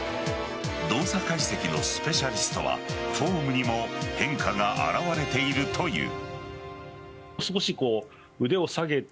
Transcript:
動作解析のスペシャリストはフォームにも変化が表れているという。